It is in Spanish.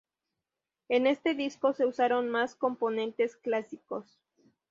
En este disco se usaron más componentes clásicos.